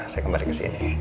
saya kembali kesini